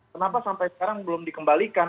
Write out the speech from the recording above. kenapa sampai sekarang belum dikembalikan